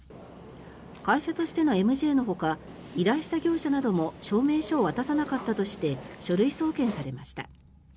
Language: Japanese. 会社としてのＭＪのほか依頼した業者なども証明書を渡さなかったとして書類送検されました。